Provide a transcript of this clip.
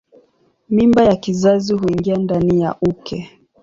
Mimba ya kizazi huingia ndani ya uke.